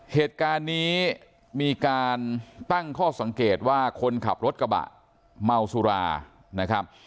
เหตุการณ์นี้มีการตั้งข้อสังเกตว่าคนขับรถกระบะเมาสุรานะครับ